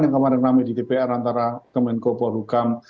yang kemarin rame di dpr antara kemenko polhukam